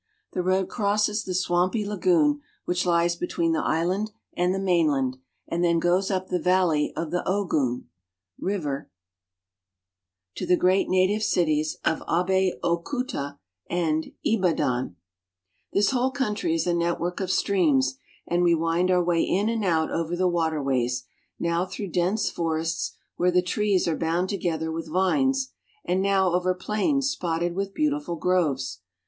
The road crosses the swampy lagoon which lies between the island and the mainland, and then goes up the valley of the Ogun (o goon' ) River to the great THE YORUBANS — SOUTHERN NIGERIA 213 native cities of Abeokuta (a ba d ko6'ta) and Ibadan (e ba'dan). This whole country is a network of streams, and we wind our way in and out .over the water ways, now through dense forests where the trees are bound together with vines and now over plains spotted with beautiful groves.